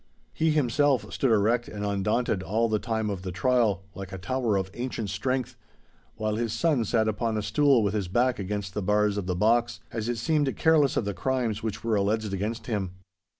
He himself stood erect and undaunted all the time of the trial, like a tower of ancient strength, while his son sat upon a stool with his back against the bars of the box, as it seemed careless of the crimes which were alleged against him.